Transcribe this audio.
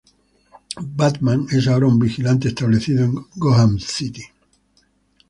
Batman es ahora un vigilante establecido en Gotham City.